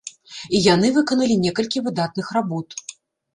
І яны выканалі некалькі выдатных работ.